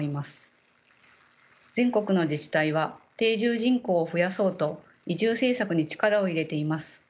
全国の自治体は定住人口を増やそうと移住政策に力を入れています。